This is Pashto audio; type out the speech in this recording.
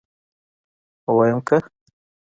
ويم که.